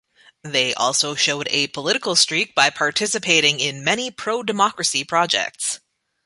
They also showed a political streak by participating in many pro-democracy projects.